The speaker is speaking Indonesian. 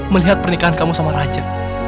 melihat pernikahan kamu sama raja